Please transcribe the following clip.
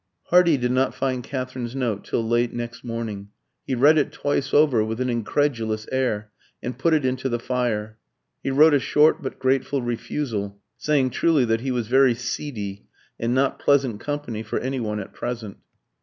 Hardy did not find Katherine's note till late next morning. He read it twice over with an incredulous air, and put it into the fire. He wrote a short but grateful refusal, saying truly that he was very seedy, and not pleasant company for any one at present.